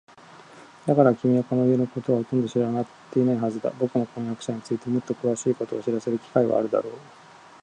だから、君はこの家のことはほとんど知っていないはずだ。ぼくの婚約者についてもっとくわしいことを知らせる機会はあるだろう。